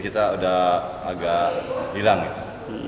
kita udah agak hilang gitu